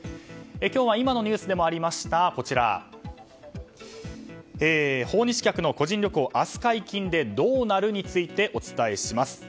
今日は今のニュースでもありました訪日客の個人旅行明日解禁でどうなる？についてお伝えします。